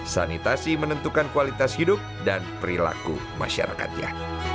sanitasi menentukan kualitas hidup dan perilaku masyarakatnya